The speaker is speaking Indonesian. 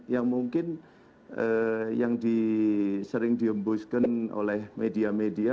yang mungkin yang sering diembuskan oleh media media